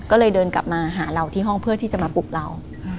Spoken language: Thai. ก็เลยเดินกลับมาหาเราที่ห้องเพื่อที่จะมาปลุกเรา